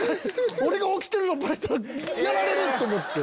俺が起きてるのバレたらやられる！と思って。